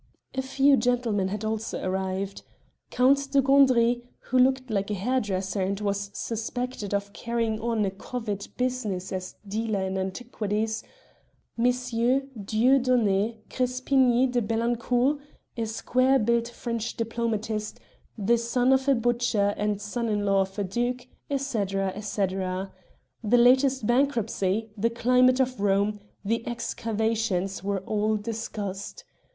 A few gentlemen had also arrived: Count de Gandry, who looked like a hair dresser and was suspected of carrying on a covert business as dealer in antiquities; M. Dieudonné Crespigny de Bellancourt, a square built French diplomatist, the son of a butcher and son in law to a duke, etc., etc. The latest bankruptcy, the climate of Rome, the excavations, were all discussed.